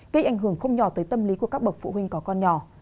gây ảnh hưởng không nhỏ tới tâm lý của các bậc phụ huynh có con nhỏ